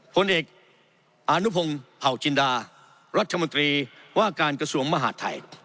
ผลเอกอนุพงศ์เผาจินดารัฐมนตรีว่าการกระทรวงมหาดไทย